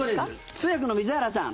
通訳の水原さん。